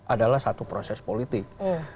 adalah satu proses politik